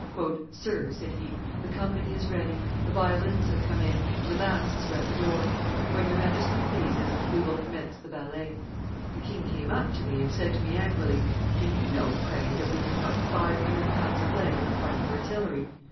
"'Sir,' said he, 'the company is ready, the violins have come in,' and the masks are at the door; when your Majesty pleases, we will commence the ballet.' 'The king came up to me, and said to me angrily, "Do you know, pray, that we have but five hundred pounds of lead in the park of artillery?"